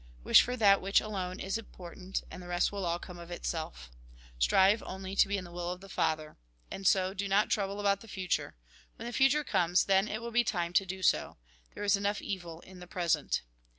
Wish for that which alone is important, and the rest will all come of itself. Strive only to be in the will of the Father. And so, do not trouble about the future. When the future comes, then it will be time to do so. There is enough evil in the present.